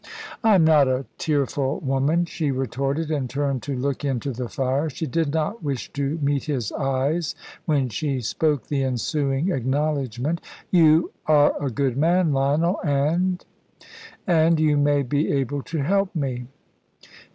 "I am not a tearful woman," she retorted, and turned to look into the fire. She did not wish to meet his eyes when she spoke the ensuing acknowledgment. "You are a good man, Lionel, and and you may be able to help me."